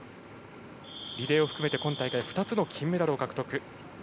リレー含めて今大会２つの金メダルを獲得。